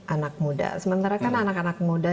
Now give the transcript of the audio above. anak muda sementara kan anak anak muda